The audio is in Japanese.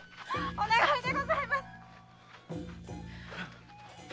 お願いでございます！